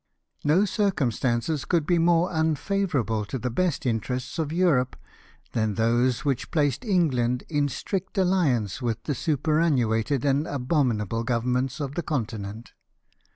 No circumstances could be more unfavourable to the best interests of Europe than those which placed England in strict alliance Avith the superannuated and abominable Governments of the Continent.